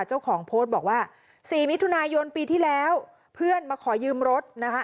เจ้าของโพสต์บอกว่าสี่มิถุนายนปีที่แล้วเพื่อนมาขอยืมรถนะคะ